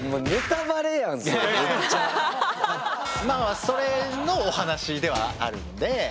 まあそれのお話ではあるので。